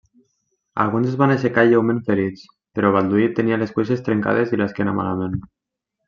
Alguns es van aixecar lleument ferits, però Balduí tenia les cuixes trencades i l'esquena malament.